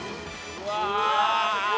うわ。